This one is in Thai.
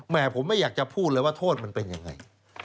ผมไม่อยากจะพูดเลยว่าโทษมันเป็นยังไง